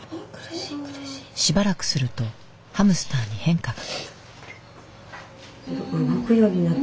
しばらくするとハムスターに変化が。